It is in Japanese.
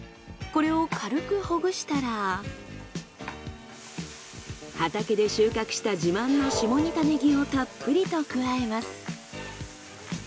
これをかるくほぐしたら畑で収穫した自慢の下仁田ねぎをたっぷりと加えます。